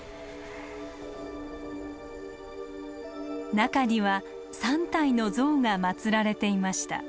中には３体の像がまつられていました。